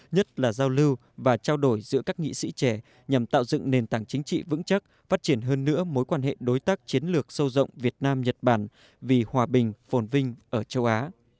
nhất là giao lưu và trao đổi giữa các nghị sĩ trẻ nhằm tạo dựng nền tảng chính trị vững chắc phát triển hơn nữa mối quan hệ đối tác chiến lược sâu rộng việt nam nhật bản vì hòa bình phồn vinh ở châu á